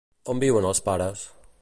On viuen els pares?